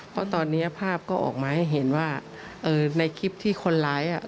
เพราะตอนนี้ภาพก็ออกมาให้เห็นว่าในคลิปที่คนร้ายอ่ะ